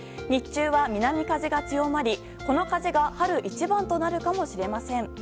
日中は南風が強まり、この風が春一番となるかもしれません。